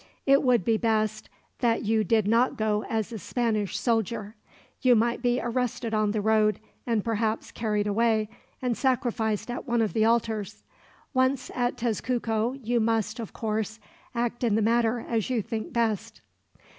It would be best that you did not go as a Spanish soldier. You might be arrested on the road, and perhaps carried away and sacrificed at one of the altars. Once at Tezcuco you must, of course, act in the matter as you think best."